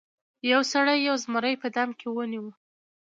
یو سړي یو زمری په دام کې ونیو.